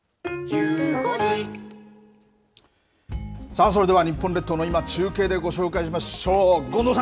さあ、それでは日本列島の今を中継でご紹介しましょう。